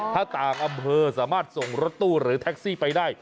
ถ้าต่างอำเภอสามารถส่งรถตู้หรือแท็กซี่ไปได้